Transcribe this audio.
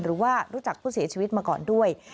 รู้จักผู้เสียชีวิตมาก่อนด้วย